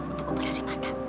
untuk operasi mata